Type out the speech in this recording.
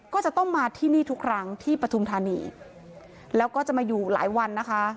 ก็จะต้องมาที่นี่ทุกครั้งที่ปฐุมธานีแล้วก็จะมาอยู่หลายวันนะคะ